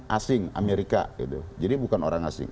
asing amerika jadi bukan orang asing